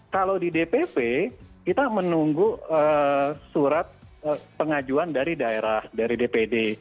kalau di dpp kita menunggu surat pengajuan dari daerah dari dpd